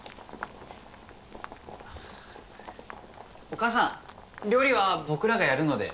お母さん料理は僕らがやるので。